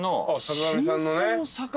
坂上さんのね。